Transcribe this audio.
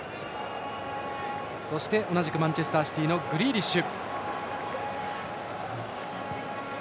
そして同じくマンチェスターシティーのグリーリッシュ。